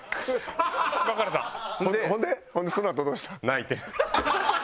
泣いてん。